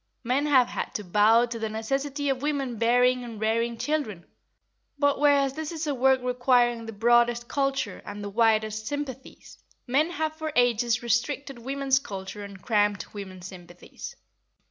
Men have had to bow to the necessity of women bearing and rearing children, but whereas this is a work requiring the broadest culture and the widest sympathies, men have for ages restricted women's culture and cramped women's sympathies.